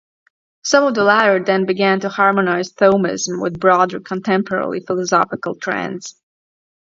Some of the latter then began to harmonize Thomism with broader contemporary philosophical trends.